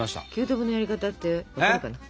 ９等分のやり方ってわかるかな？